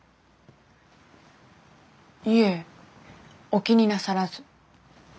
いえお気になさらず。